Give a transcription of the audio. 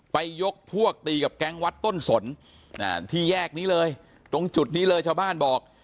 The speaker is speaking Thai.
ยกพวกตีกับแก๊งวัดต้นสนที่แยกนี้เลยตรงจุดนี้เลยชาวบ้านบอก